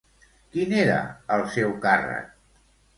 Quin era el seu càrrec?